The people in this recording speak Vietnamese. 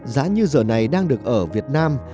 giá như giờ này đang được ở việt nam